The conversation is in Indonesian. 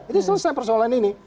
itu selesai persoalan ini